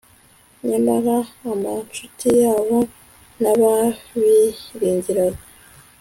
nyamara amacuti yabo n'ababiringiraga